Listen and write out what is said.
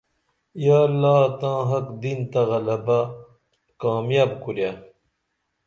یا اللہ تاں حق دین تہ غلبہ کامیاب کُوریہ